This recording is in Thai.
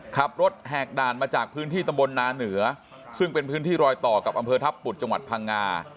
แหกด่านมาจากพื้นที่ตำบลนาเหนือซึ่งเป็นพื้นที่รอยต่อกับอำเภอทัพปุดจังหวัดพังงา